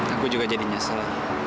aku juga jadi nyesel